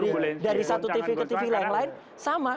jadi satu tahun pertama